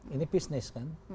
ini bisnis kan